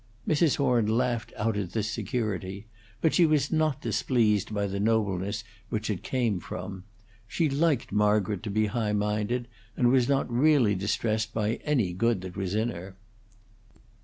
Mrs. Horn laughed out at this security; but she was not displeased by the nobleness which it came from. She liked Margaret to be high minded, and was really not distressed by any good that was in her.